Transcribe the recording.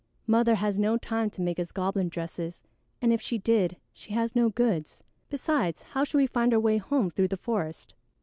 Mother has no time to make us goblin dresses, and if she did, she has no goods; besides, how should we find our way home through the forest?"